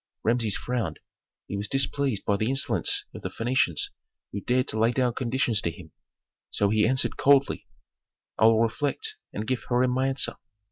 Rameses frowned. He was displeased by the insolence of the Phœnicians who dared to lay down conditions to him; so he answered coldly, "I will reflect and give Hiram my answer.